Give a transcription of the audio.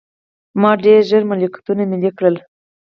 ماوو ډېر ژر ملکیتونه ملي کړل.